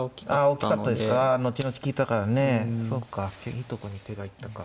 いいとこに手が行ったか。